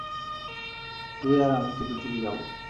তুই আর আমি চুপি চুপি যাবো।